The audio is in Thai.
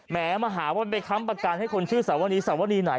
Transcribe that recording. แม้มาหาว่าไปค้ำประกันให้คนชื่อสวนีสวนีไหน